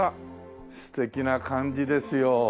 素敵な感じですよ。